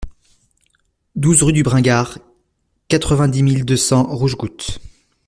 douze rue du Bringard, quatre-vingt-dix mille deux cents Rougegoutte